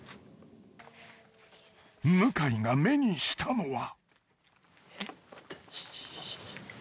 ［向井が目にしたのは］